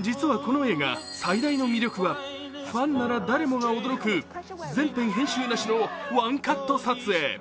実はこの映画、最大の魅力はファンなら誰もが驚く全編編集なしのワンカット撮影。